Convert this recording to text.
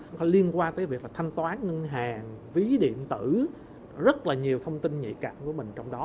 nó liên quan tới việc là thanh toán ngân hàng ví điện tử rất là nhiều thông tin nhạy cảm của mình trong đó